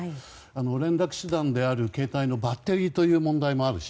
連絡手段である携帯のバッテリーの問題もあるし